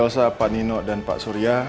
ibu yosa pak nino dan pak surya